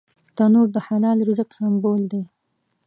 تنور د حلال رزق سمبول دی